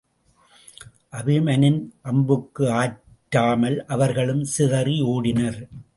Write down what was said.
அபிமனின் அம்புக்கு ஆற்றாமல் அவர்களும் சிதறி ஓடினர்.